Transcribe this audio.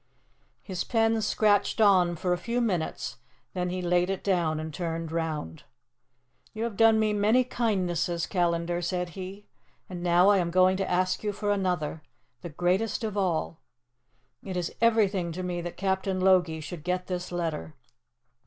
His pen scratched on for a few minutes; then he laid it down and turned round. "You have done me many kindnesses, Callandar," said he, "and now I am going to ask you for another the greatest of all. It is everything to me that Captain Logie should get this letter.